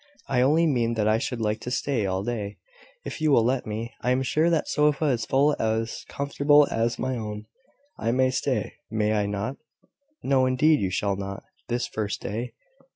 I only mean that I should like to stay all day, if you will let me. I am sure that sofa is full as comfortable as my own. I may stay, may I not?" "No, indeed you shall not, this first day.